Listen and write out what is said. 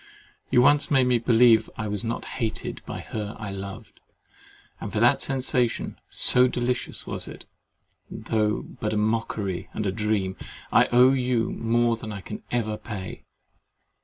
You once made me believe I was not hated by her I loved; and for that sensation, so delicious was it, though but a mockery and a dream, I owe you more than I can ever pay.